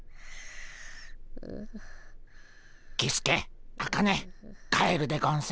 キスケアカネ帰るでゴンス。